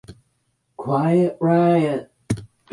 Quiet Riot